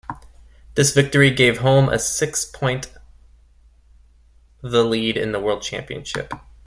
This victory gave Hulme a six-point the lead in the World Championship.